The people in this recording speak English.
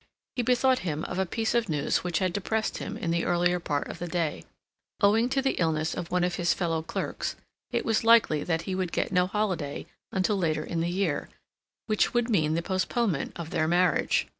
He bethought him of a piece of news which had depressed him in the earlier part of the day. Owing to the illness of one of his fellow clerks, it was likely that he would get no holiday until later in the year, which would mean the postponement of their marriage.